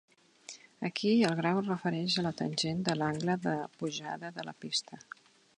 Aquí el grau es refereix a la tangent de l'angle de pujada de la pista.